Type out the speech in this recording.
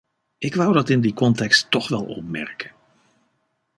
Ik wou dat in die context toch wel opmerken.